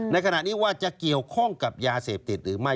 ในขณะนี้ว่าจะเกี่ยวข้องกับยาเสพติดหรือไม่